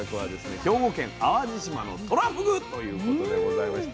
兵庫県淡路島のとらふぐということでございまして。